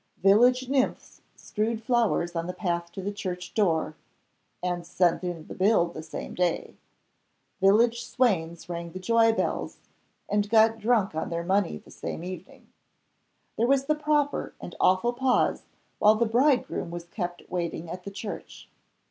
Village nymphs strewed flowers on the path to the church door (and sent in the bill the same day). Village swains rang the joy bells (and got drunk on their money the same evening). There was the proper and awful pause while the bridegroom was kept waiting at the church.